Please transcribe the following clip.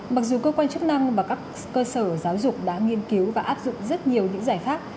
mặc dù cơ quan chức năng và các cơ sở giáo dục đã nghiên cứu và áp dụng rất nhiều những giải pháp